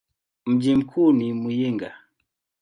Mji mkuu ni Muyinga.